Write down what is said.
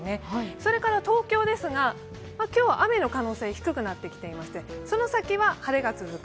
それから東京ですが、今日は雨の可能性、低くなってきていましてその先は晴れが続く。